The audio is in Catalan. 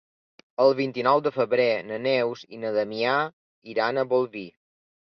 El vint-i-nou de febrer na Neus i na Damià iran a Bolvir.